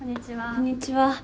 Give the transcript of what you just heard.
こんにちは。